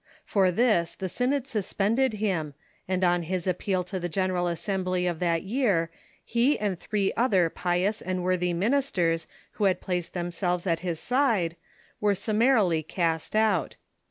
For this the S^niod suspended him, and on his appeal to the General Assembly of that year he and three other pious and Avorthy ministers who had placed themselves at his side were summaril}'' cast out.